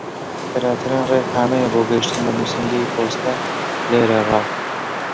خێراترین ڕێ کامەیە بۆ گەیشتن بە نووسینگەی پۆستە لێرەڕا؟